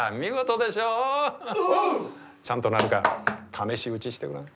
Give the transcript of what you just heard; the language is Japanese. ちゃんと鳴るか試し打ちしてごらん。